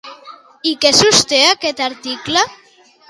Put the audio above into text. I què sosté aquest article?